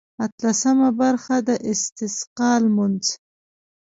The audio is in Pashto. اتلسمه برخه د استسقا لمونځ.